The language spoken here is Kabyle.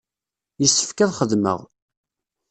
Yessefk ad xedmeɣ.